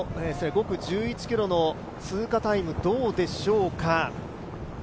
５区１１ｋｍの通過タイムはどうでしょうか。